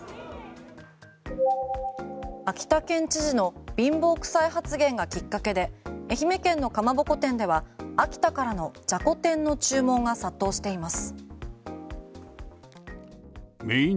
秋田県知事の貧乏くさい発言がきっかけで愛媛県のかまぼこ店では秋田からのじゃこ天の注文が殺到しています。